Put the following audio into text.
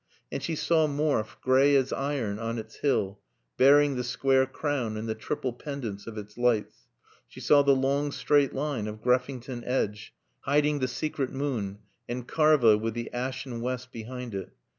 And she saw Morfe, gray as iron, on its hill, bearing the square crown and the triple pendants of its lights; she saw the long straight line of Greffington Edge, hiding the secret moon, and Karva with the ashen west behind it.